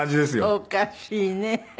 おかしいね。